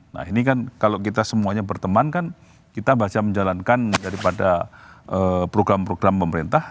nah ini kan kalau kita semuanya berteman kan kita baca menjalankan daripada program program pemerintah